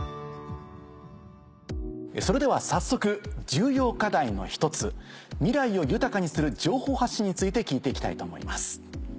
それでは早速重要課題の１つ「未来を豊かにする情報発信」について聞いて行きたいと思います。